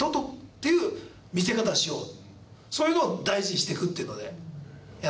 そういうのを大事にしていくっていうのでやってましたね。